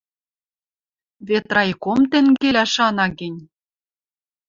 Вет райком тенгелӓ шана гӹнь